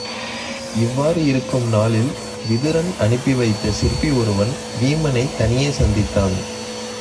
இவ்வாறு இருக்கும் நாளில் விதுரன் அனுப்பி வைத்த சிற்பி ஒருவன் வீமனைத் தனியே சந்தித்தான்.